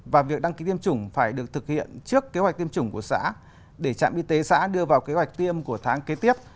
và việc đăng ký tiêm chủng phải được thực hiện trước kế hoạch tiêm chủng của xã để trạm y tế xã đưa vào kế hoạch tiêm của tháng kế tiếp